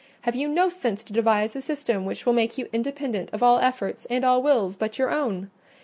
Have you no sense to devise a system which will make you independent of all efforts, and all wills, but your own?